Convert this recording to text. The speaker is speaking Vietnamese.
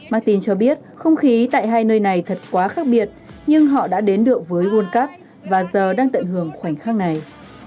martin cho biết không khí tại hai nơi này thật quá khác biệt nhưng họ đã đến được với world cup và giờ đang tận hưởng khoảnh khắc này